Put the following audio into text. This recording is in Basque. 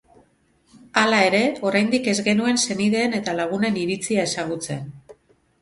Hala ere, oraindik ez genuen senideen eta lagunen iritzia ezagutzen.